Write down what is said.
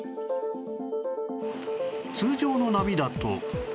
通常の波だと